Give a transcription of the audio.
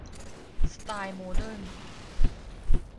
สไตล์โมเดิร์น